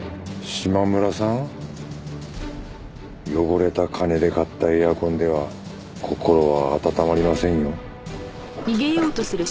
島村さん汚れた金で買ったエアコンでは心は温まりませんよ。